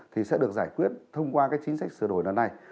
thì sẽ được giải quyết thông qua cái chính sách sửa đổi lần này